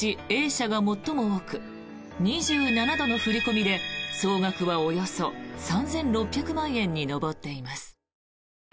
Ａ社が最も多く２７度の振り込みで総額はおよそ３６００万円に上っています。